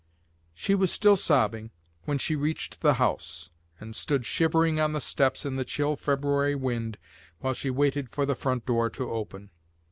She was still sobbing when she reached the house, and stood shivering on the steps in the chill February wind while she waited for the front door to open.